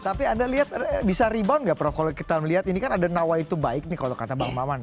tapi anda lihat bisa rebound nggak prof kalau kita melihat ini kan ada nawaitu baik nih kalau kata bang maman